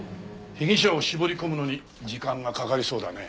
被疑者を絞り込むのに時間がかかりそうだね。